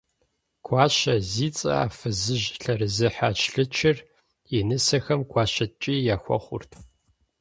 Гуащэ зи цӏэ а фызыжь лъэрызехьэ ӏэчлъэчыр, и нысэхэм гуащэ ткӏий яхуэхъурт.